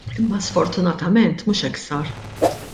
Imma sfortunatament mhux hekk sar.